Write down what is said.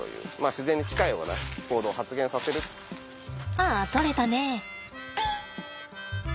ああ取れたね。